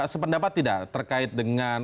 sependapat tidak terkait dengan